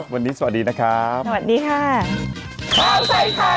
วันนี้สวัสดีนะครับ